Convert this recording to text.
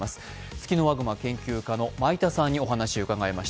ツキノワグマ研究家の米田さんにお話を伺います。